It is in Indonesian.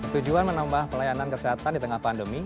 tujuan menambah pelayanan kesehatan di tengah pandemi